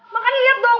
makanya liat dong